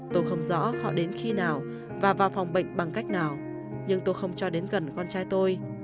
tôi không rõ họ đến khi nào và vào phòng bệnh bằng cách nào nhưng tôi không cho đến gần con trai tôi